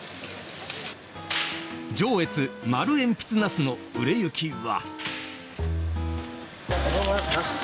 上越丸えんぴつナスの売れ行きは。